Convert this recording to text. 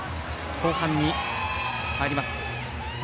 後半になります。